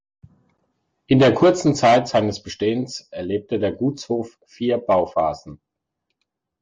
In der kurzen Zeit seines Bestehens erlebte der Gutshof vier Bauphasen.